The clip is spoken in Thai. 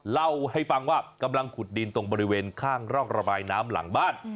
เล่าให้ฟังว่ากำลังขุดดินตรงบริเวณข้างร่องระบายน้ำหลังบ้าน